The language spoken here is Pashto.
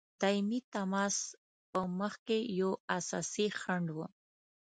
دایمي تماس په مخکي یو اساسي خنډ وو.